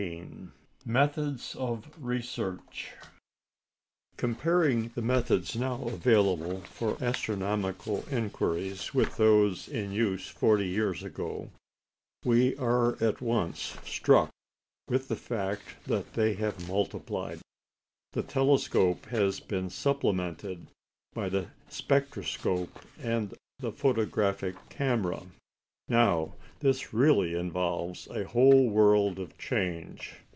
] CHAPTER XIII METHODS OF RESEARCH Comparing the methods now available for astronomical inquiries with those in use forty years ago, we are at once struck with the fact that they have multiplied. The telescope has been supplemented by the spectroscope and the photographic camera. Now, this really involves a whole world of change.